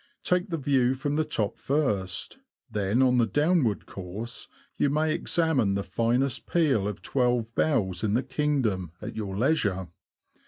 Take the view from the top first, then on the downward course you may examine the finest peal of twelve bells in the kingdom at your leisure.